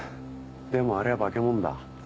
でもあれは化け物だ。